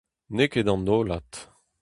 N'eo ket an hollad.